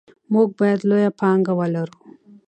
موږ باید لویه پانګه ولرو.